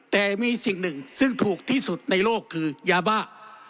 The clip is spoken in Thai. แต่มีสิ่งหนึ่งซึ่งถูกที่สุดในโลกคือยาบ้า